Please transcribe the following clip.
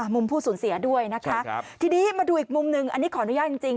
มุมผู้สูญเสียด้วยนะคะทีนี้มาดูอีกมุมหนึ่งอันนี้ขออนุญาตจริง